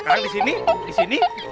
sekarang di sini di sini di sini